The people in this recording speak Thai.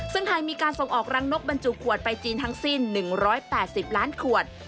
ซึ่งไทยมีการส่งออกรังนกบรรจุขวดไปจีนทั้งสิ้น๑๘๐ล้านขวด